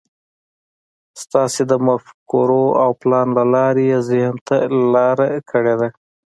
ستاسې د مفکورو او پلان له لارې يې ذهن ته لاره کړې ده.